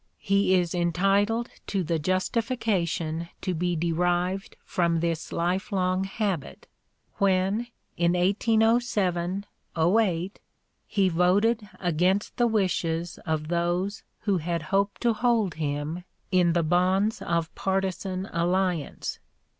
He is entitled to the justification to be derived from this life long habit, when, in 1807 8, he voted against the wishes of those who had hoped to hold him in the bonds of (p. 064) partisan alliance.